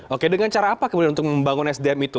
oke dengan cara apa kemudian untuk membangun sdm itu